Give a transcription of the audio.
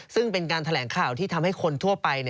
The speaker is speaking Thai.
ซึ่งเป็นการแถลงข่าวที่ทำให้คนทั่วไป